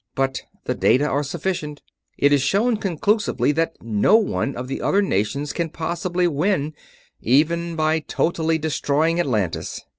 But the data are sufficient. It is shown conclusively that no one of the other nations can possibly win, even by totally destroying Atlantis.